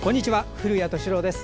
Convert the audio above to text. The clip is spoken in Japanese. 古谷敏郎です。